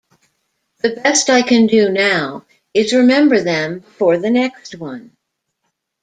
The best I can do now is remember them before the next one.